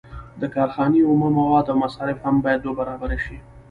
د کارخانې اومه مواد او مصارف هم باید دوه برابره شي